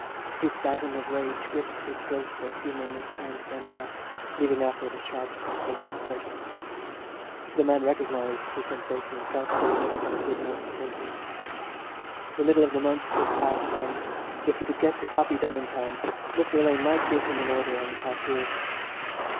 A spasm of rage gripped his throat for a few moments and then passed, leaving after it a sharp sensation of thirst. The man recognised the sensation and felt that he must have a good night's drinking. The middle of the month was passed and, if he could get the copy done in time, Mr Alleyne might give him an order on the cashier.